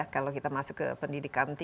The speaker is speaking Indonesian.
kalau kita masuk ke pendidikan